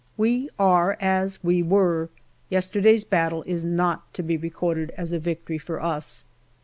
We are as we were yesterday's battle is not to be recorded as a victory for us.